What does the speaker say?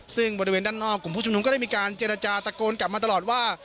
ซึ่งบริเวณด้านนอกกลุ่มผู้ชุมนุมก็ได้มีการเจรจาตะโกนกลับมาตลอดว่า